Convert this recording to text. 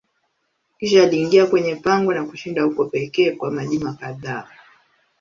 Kisha aliingia kwenye pango na kushinda huko pekee kwa majuma kadhaa.